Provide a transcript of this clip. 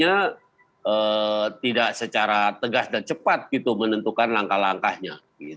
pada titiknya tidak secara tegas dan cepat menentukan langkah langkahnya